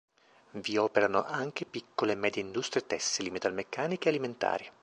Vi operano anche piccole e medie industrie tessili, metalmeccaniche e alimentari.